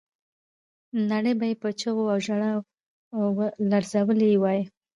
نړۍ به یې په چیغو او ژړاو لړزولې وای.